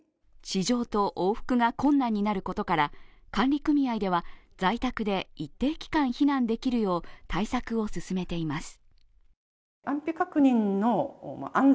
地上と往復が困難になることから管理組合では、在宅で一定期間避難できるよう対策を進めています。